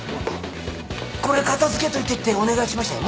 これ片付けといてってお願いしましたよね？